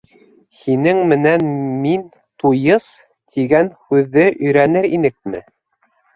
- Һинең менән мин туйыс тигән һүҙҙе өйрәнер инекме?